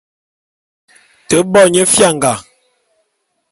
Te bo nye fianga.